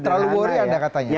terlalu worry anda katanya